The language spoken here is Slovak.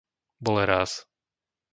Boleráz